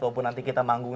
walaupun nanti kita manggung